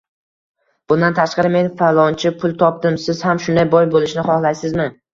Bundan tashqari, men faloncha pul topdim siz ham shunday boy bo‘lishni xohlaysizmi